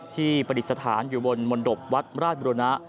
ประดิษฐานอยู่บนมนตบวัดราชบุรณะ